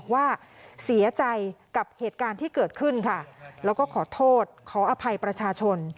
ว่าเสียใจกับเหตุการณ์ที่เกิดขึ้นค่ะแล้วก็ขอโทษขออภัยประชาชน